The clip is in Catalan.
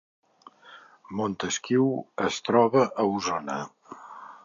Montesquiu es troba a Osona